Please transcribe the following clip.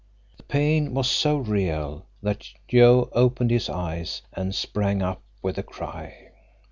The pain was so real that Joe opened his eyes and sprang up with a cry.